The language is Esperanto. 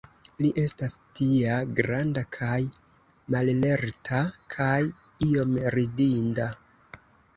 Li estas tia granda kaj mallerta, kaj iom ridinda.